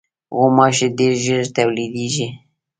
غوماشې ډېر ژر تولیدېږي.